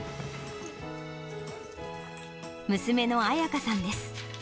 娘の綺夏さんです。